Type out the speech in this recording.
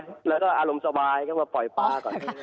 แล้วก็อารมณ์สบายก็มาปล่อยปลาก่อน